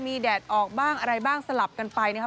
มีแดดออกบ้างอะไรบ้างสลับกันไปนะครับ